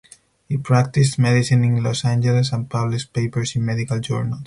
He practiced medicine in Los Angeles and published papers in medical journals.